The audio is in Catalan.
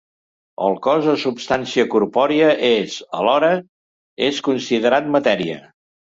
El cos o substància corpòria és, alhora, és considerat matèria.